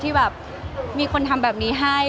คือบอกเลยว่าเป็นครั้งแรกในชีวิตจิ๊บนะ